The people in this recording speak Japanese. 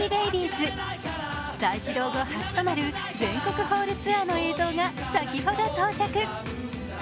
再始動後初となる全国ホールツアーの映像が先ほど到着。